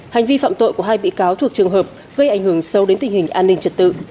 hành vi phạm tội của hai bị cáo thuộc trường hợp gây ảnh hưởng sâu đến tình hình an ninh trật tự